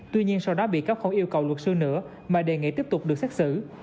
tuy nhiên sau đó bị cáo không yêu cầu luật sư nữa mà đề nghị tiếp tục được xét xử